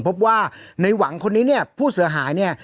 พบว่าในหวังคนนี้เนี่ยผู้เสียหายเนี่ย